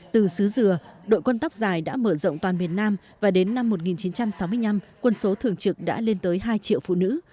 từ xứ dừa đội quân tóc dài đã mở rộng toàn miền nam và đến năm một nghìn chín trăm sáu mươi năm quân số thường trực đã lên tới hai triệu phụ nữ